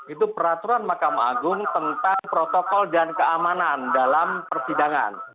itu peraturan mahkamah agung tentang protokol dan keamanan dalam persidangan